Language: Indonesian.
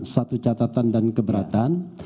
satu catatan dan keberatan